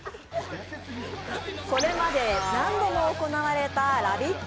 これまで何度も行われて「ラヴィット！